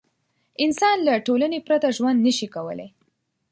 انسان له ټولنې پرته ژوند نه شي کولی.